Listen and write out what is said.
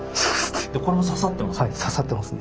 これも刺さってます。